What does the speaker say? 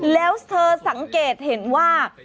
แล้วเธอสังเกตเห็นว่า